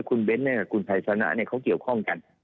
คุณเบ้นท์นี่คุณไพรสนะนี่เขาเกี่ยวข้องกัน